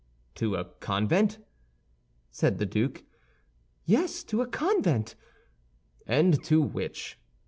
"To a convent?" said the duke. "Yes, to a convent." "And to which?"